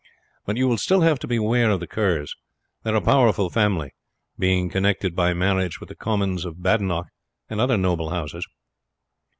But you will still have to beware of the Kerrs. They are a powerful family, being connected by marriage with the Comyns of Badenoch, and other noble houses.